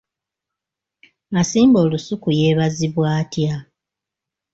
Asimba olusuku yeebazibwa atya?